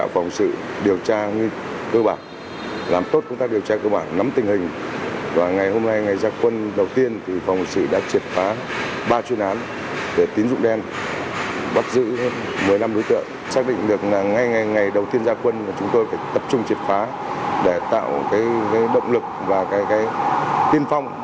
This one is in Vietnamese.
phòng cảnh sát hình sự tp hcm đã bắt giữ ba nhóm đối tượng hoạt động cho vay lãi nặng